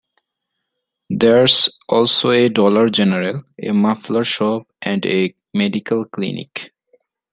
There's also a Dollar General, a muffler shop and a medical clinic.